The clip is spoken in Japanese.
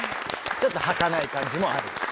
ちょっとはかない感じもある。